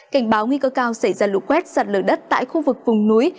cảnh báo nguy cơ cao xảy ra lụt quét giật lửa đất tại khu vực vùng núi